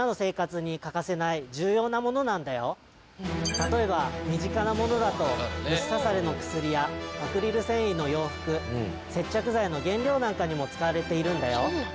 例えば身近なものだと虫刺されの薬やアクリル繊維の洋服接着剤の原料なんかにも使われているんだよ。